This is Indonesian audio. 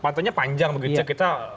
pantainya panjang kita